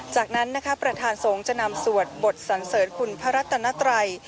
จากนั้นนะคะประธานสงฆ์จะนำสวดบทสันเสริญคุณพระรัตนัตรัย